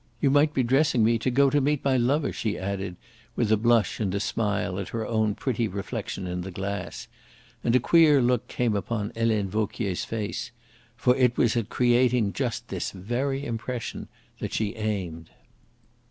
You might be dressing me to go to meet my lover," she added, with a blush and a smile at her own pretty reflection in the glass; and a queer look came upon Helene Vauquier's face. For it was at creating just this very impression that she aimed.